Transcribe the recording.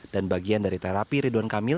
dan bagian dari terapi ridwan kamil